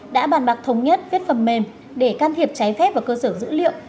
đã bàn bạc thống nhất viết phần mềm để can thiệp trái phép vào cơ sở dữ liệu